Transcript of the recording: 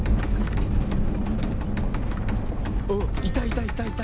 いたいたいたいた！